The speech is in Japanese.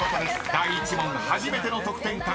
第１問初めての得点獲得］